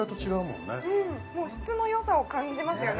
もう質のよさを感じますよね